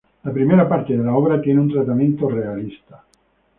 La primera parte de la obra tiene un tratamiento realista.